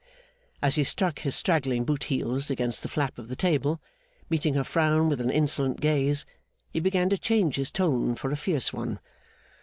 As he struck his straggling boot heels against the flap of the table, meeting her frown with an insolent gaze, he began to change his tone for a fierce one.